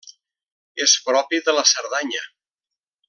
És propi de la Cerdanya.